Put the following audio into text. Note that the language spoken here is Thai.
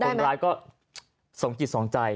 คนร้ายก็สมจิตสองใจ